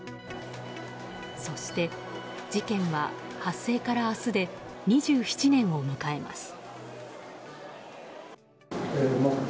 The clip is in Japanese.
そして事件は発生から明日で２７年を迎えます。